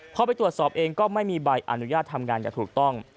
พอไปตรวจสอบเองก็ไม่มีใบอนุญาตทำงานอย่างถูกต้อง